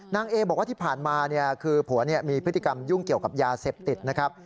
นางเอบอกว่าที่ผ่านมาคือผัวมีพฤติกรรมยุ่งเกี่ยวกับยาเสพติดนะครับ